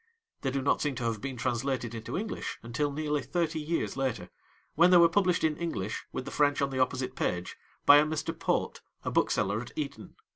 They do not seem to have been translated into English until nearly thirty years later, when they were published in English, with the French on the opposite page, by a Mr. Pote, a bookseller at Eton.